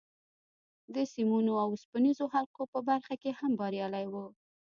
د سیمونو او اوسپنیزو حلقو په برخه کې هم بریالی و